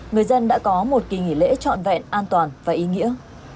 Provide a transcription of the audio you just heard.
người dân đã có một kỳ nghỉ lễ trọn vẹn an toàn và ý nghĩa